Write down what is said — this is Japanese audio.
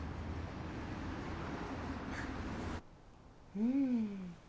うん。